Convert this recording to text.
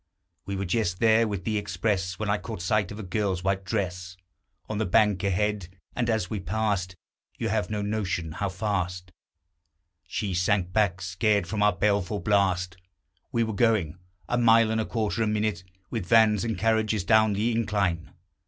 We were just there with the express, When I caught sight of a girl's white dress On the bank ahead; and as we passed You have no notion how fast She sank back scared from our baleful blast. We were going a mile and a quarter a minute With vans and carriages down the incline!